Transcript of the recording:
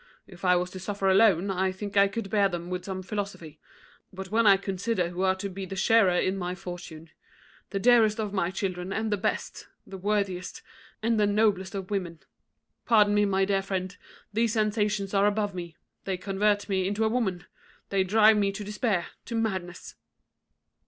If I was to suffer alone, I think I could bear them with some philosophy; but when I consider who are to be the sharers in my fortune the dearest of children, and the best, the worthiest, and the noblest of women Pardon me, my dear friend, these sensations are above me; they convert me into a woman; they drive me to despair, to madness."